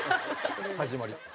始まり。